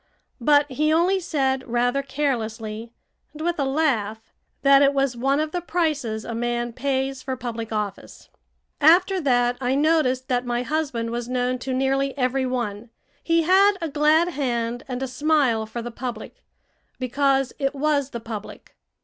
But he only said rather carelessly, and with a laugh, that it was one of the prices a man pays for public office. After that I noticed that my husband was known to nearly every one. He had a glad hand and a smile for the public because it was the public.